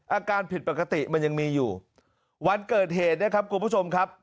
อาการผิดปกติมันยังมีอยู่วันเกิดเหตุนะครับคุณผู้ชมครับ